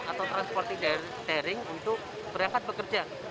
atau transporti daring untuk berangkat pekerja